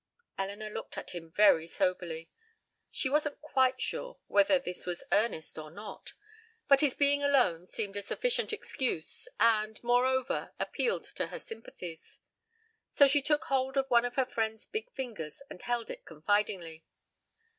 Elinor looked at him very soberly. She wasn't quite sure whether this was earnest or not, but his being alone seemed a sufficient excuse, and, moreover, appealed to her sympathies, so she took hold of one of her friend's big fingers, and held it confidingly.